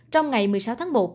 trong ngày một mươi sáu tháng một